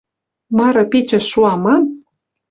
Мары пичӹш шуа мам?